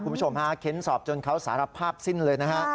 คุณผู้ชมฮะเค้นสอบจนเขาสารภาพสิ้นเลยนะฮะ